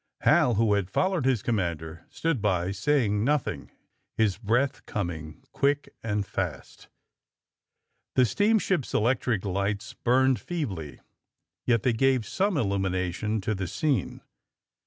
Hal, who had followed his commander, stood by, saying nothing — ^his breath coming quick and fast. The steamship's electric lights burned feebly, yet they gave some illumination to the scene.